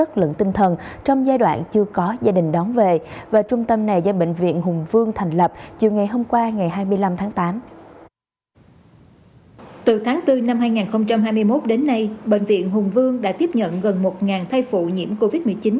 từ tháng bốn năm hai nghìn hai mươi một đến nay bệnh viện hùng vương đã tiếp nhận gần một thai phụ nhiễm covid một mươi chín